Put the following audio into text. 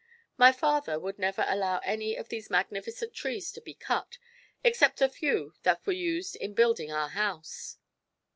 My father would never allow any of these magnificent trees to be cut, except a few that were used in building our house."